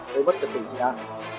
để bắt chặt bệnh trị an